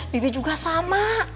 bibi juga sama